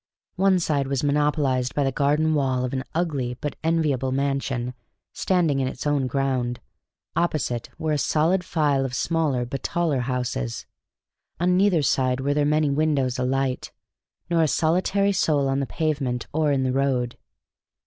One side was monopolized by the garden wall of an ugly but enviable mansion standing in its own ground; opposite were a solid file of smaller but taller houses; on neither side were there many windows alight, nor a solitary soul on the pavement or in the road.